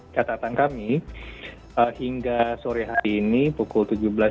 catatan kami hingga sore hari ini pukul tujuh belas tiga puluh